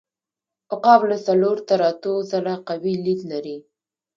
عقاب له څلور تر اتو ځله قوي لید لري.